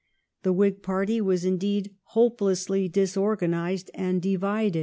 The position in Whig party was indeed hopelessly disorganized and divided.